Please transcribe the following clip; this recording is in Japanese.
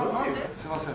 すいません。